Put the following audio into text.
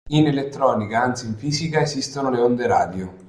In elettronica, anzi in fisica, esistono le onde radio.